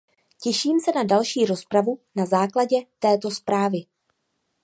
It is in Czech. Těším se na další rozpravu na základě této zprávy.